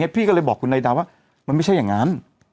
พี่ก็เลยบอกคุณนายดาวว่ามันไม่ใช่อย่างนั้น